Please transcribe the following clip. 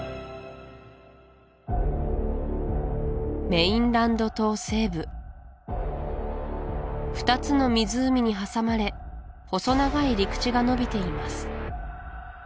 メインランド島西部２つの湖に挟まれ細長い陸地がのびています